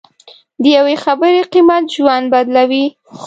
د یوې خبرې قیمت ژوند بدلوي.